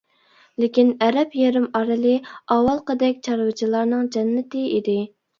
لېكىن ئەرەب يېرىم ئارىلى ئاۋۋالقىدەك چارۋىچىلارنىڭ جەننىتى ئىدى.